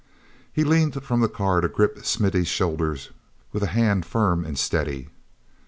He leaned from the car to grip Smithy's shoulder with a hand firm and steady.